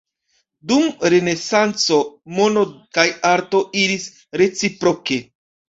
Dum Renesanco, mono kaj arto iris reciproke.